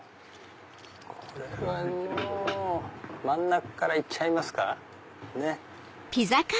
真ん中から行っちゃいますか。